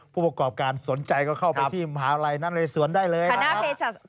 ผู้ประกอบการสนใจก็เข้าไปที่มหาลัยนเรสวนได้เลยนะ